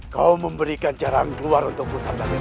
kau memberikan cara keluar untukku sabda dewi